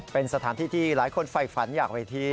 เป็นสถานที่ที่หลายคนไฟฝันอยากเวที